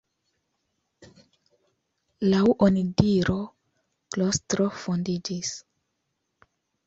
Laŭ onidiro klostro fondiĝis.